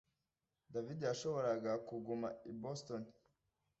David yashoboraga kuguma i Boston